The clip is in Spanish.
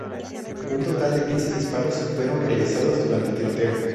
Un total de quince disparos fueron realizados durante el tiroteo.